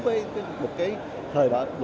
với một cái thời bản